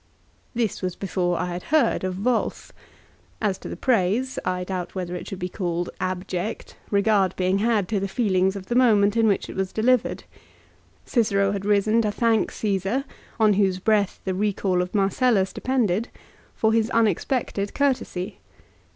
This was before I had heard of Wolf. As to the praise, I doubt whether it should be called abject, regard being had to the feelings of the moment in which it was delivered. Cicero had risen to thank Caesar, on \vhose breath the recall of Marcellus depended, for his unexpected courtesy.